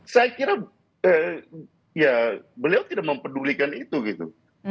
saya kira ya beliau tidak mempedulikan itu gitu